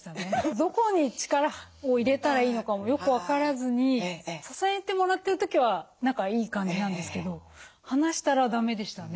どこに力を入れたらいいのかもよく分からずに支えてもらってる時は何かいい感じなんですけど離したらだめでしたね。